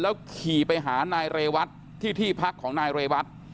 ขี่ไปหานายเรวัตที่ที่พักของนายเรวัต